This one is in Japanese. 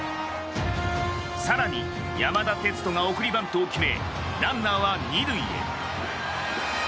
更に、山田哲人が送りバントを決めランナーは２塁へ。